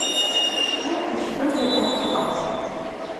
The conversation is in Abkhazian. Шьҭа иҿшәозар акәхап.